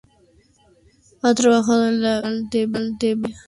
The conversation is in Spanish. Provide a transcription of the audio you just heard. Ha trabajado en la Bienal de Venecia.